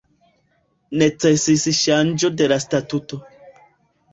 Necesis ŝanĝo de la statuto.